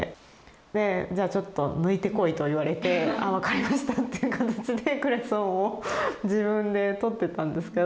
でじゃあちょっと抜いてこいと言われてああ分かりましたっていう形でクレソンを自分でとってたんですけど。